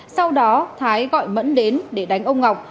sau đó thái gọi mẫn đến để đánh ông ngọc